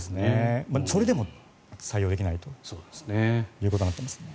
それでも採用できないということになってますね。